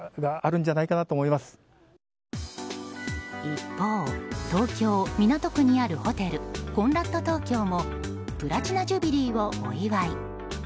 一方、東京・港区にあるホテルコンラッド東京もプラチナ・ジュビリーをお祝い。